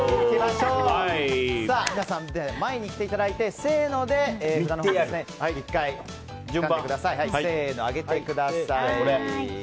皆さん、前に来ていただいてせーので札を上げてください。